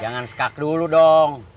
jangan sekak dulu dong